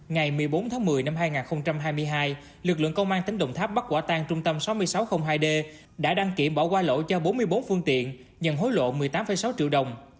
ngày một mươi bốn tháng một mươi năm hai nghìn hai mươi hai lực lượng công an tỉnh đồng tháp bắt quả tang trung tâm sáu nghìn sáu trăm linh hai d đã đăng kiểm bỏ qua lỗi cho bốn mươi bốn phương tiện nhận hối lộ một mươi tám sáu triệu đồng